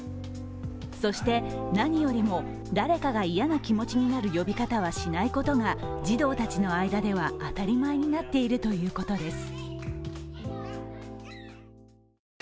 そして、何よりも、誰かが嫌な気持ちになる呼び方はしないことが児童たちの間では当たり前になっているということです。